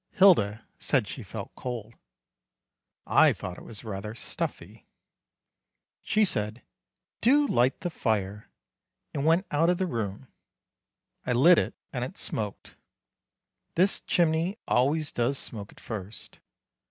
Hilda said she felt cold. I thought it was rather stuffy. She said: "Do light the fire," and went out of the room. I lit it, and it smoked. This chimney always does smoke at first.